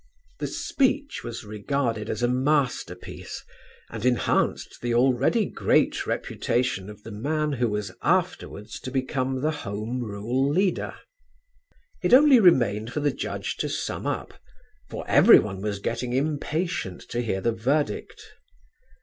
The speech was regarded as a masterpiece and enhanced the already great reputation of the man who was afterwards to become the Home Rule Leader. It only remained for the judge to sum up, for everyone was getting impatient to hear the verdict.